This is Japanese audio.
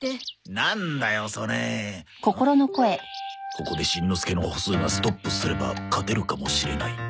ここでしんのすけの歩数がストップすれば勝てるかもしれない